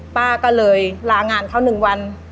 ป้าก็เลยลางานเขา๑วัน